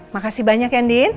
makasih banyak andin